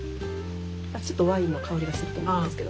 ちょっとワインの香りがすると思うんですけど。